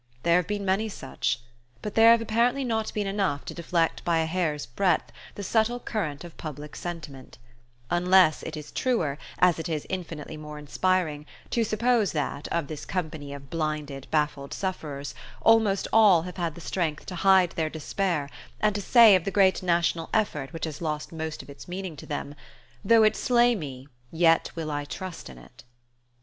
There have been many such; but there have apparently not been enough to deflect by a hair's breadth the subtle current of public sentiment; unless it is truer, as it is infinitely more inspiring, to suppose that, of this company of blinded baffled sufferers, almost all have had the strength to hide their despair and to say of the great national effort which has lost most of its meaning to them: "Though it slay me, yet will I trust in it."